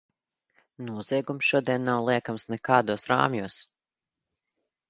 Noziegums šodien nav liekams nekādos rāmjos.